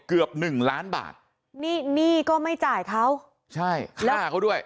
เกือบหนึ่งล้านบาทนี่หนี้ก็ไม่จ่ายเขาใช่ค่าเขาด้วย